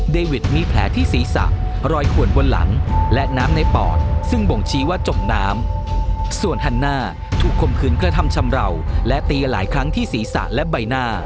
เดวิตมีแผลที่ศีรษะ